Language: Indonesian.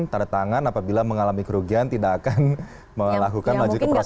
tanda tangan apabila mengalami kerugian tidak akan melakukan lanjut ke proses